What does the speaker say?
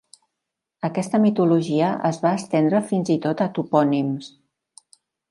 Aquesta mitologia es va estendre fins i tot a topònims.